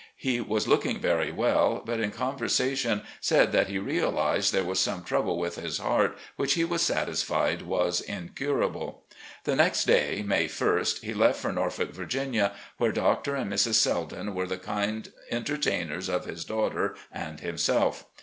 He was looking very well, but in conversation said that he reaUsed there was some trouble with his heart, which he was satisfied was incurable. The next day. May ist, he left for Norfolk, Virginia, where Dr. and Mrs. Selden were the kind entertainers of his daughter and himself.